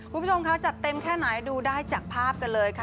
คุณผู้ชมคะจัดเต็มแค่ไหนดูได้จากภาพกันเลยค่ะ